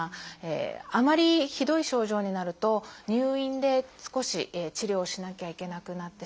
あまりひどい症状になると入院で少し治療しなきゃいけなくなってしまうこともあります。